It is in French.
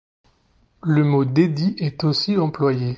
Le mot d'édit est aussi employé.